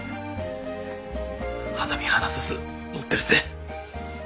肌身離さず持ってるぜ。